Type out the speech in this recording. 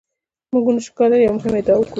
موږ نشو کولای یوه مهمه ادعا وکړو.